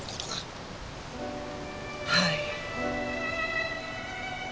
はい。